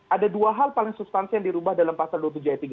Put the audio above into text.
ada dua hal paling substansi yang dirubah dalam pasal dua puluh tujuh ayat tiga